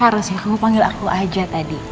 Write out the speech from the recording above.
harusnya kamu panggil aku aja tadi